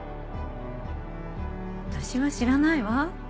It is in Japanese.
私は知らないわ。